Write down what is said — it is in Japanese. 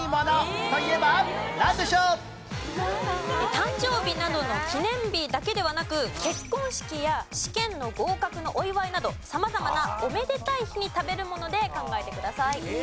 誕生日などの記念日だけではなく結婚式や試験の合格のお祝いなど様々なおめでたい日に食べるもので考えてください。